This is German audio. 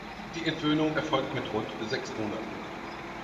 Die Entwöhnung erfolgt mit rund sechs Monaten.